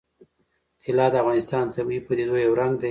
طلا د افغانستان د طبیعي پدیدو یو رنګ دی.